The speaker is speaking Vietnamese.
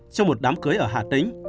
trong một đám cưới ở hà tĩnh